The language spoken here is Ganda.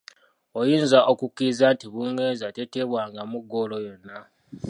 Oyinza okukikkiriza nti Bungereza teteebwangamu ggoolo yonna?